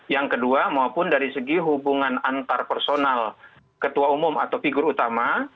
yang kedua maupun dari segi hubungan antar personal ketua umum atau figur utama